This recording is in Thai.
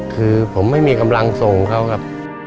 คือผมไม่มีกำลังส่งเขาครับ